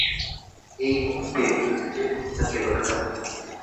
এই মুহুর্তে ওর নিজের পরিবারকে দরকার।